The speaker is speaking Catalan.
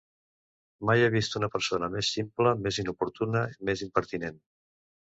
Mai he vist una persona més ximple, més inoportuna, més impertinent.